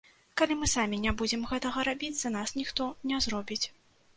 Калі мы самі не будзем гэтага рабіць, за нас ніхто не зробіць.